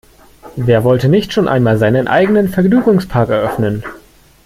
Wer wollte nicht schon einmal seinen eigenen Vergnügungspark eröffnen?